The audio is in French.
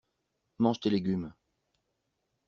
Mange tes légumes!